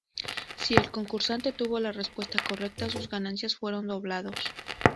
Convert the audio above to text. Si el concursante tuvo la respuesta correcta, sus ganancias fueron doblados.